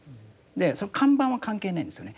その看板は関係ないんですよね。